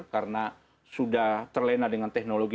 karena sudah terlena dengan teknologi